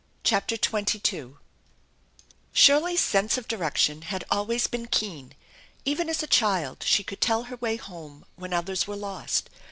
CHAPTER XXII SHIRLEY'S sense of direction had always been keen. Even as a child she could tell her way home when others were lost.